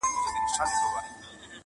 له سدیو تښتېدلی چوروندک دی٫